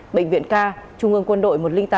bệnh viện ca trung ương quân đội một trăm linh tám